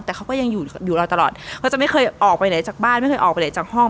แต่เขาก็ยังอยู่อยู่เราตลอดเขาจะไม่เคยออกไปไหนจากบ้านไม่เคยออกไปไหนจากห้อง